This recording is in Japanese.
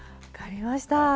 分かりました。